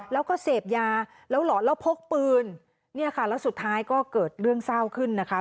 แล้วก็เสพยาแล้วหลอนแล้วพกปืนเนี่ยค่ะแล้วสุดท้ายก็เกิดเรื่องเศร้าขึ้นนะคะ